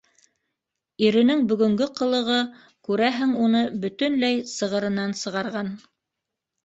Иренең бөгөнгө ҡылығы, күрәһең, уны бөтөнләй сығырынан сығарған.